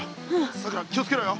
さくら気をつけろよ。